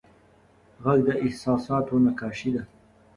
غږ د احساساتو نقاشي ده